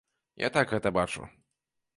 Я так гэта бачу.